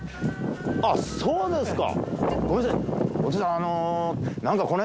あっそうなんですか。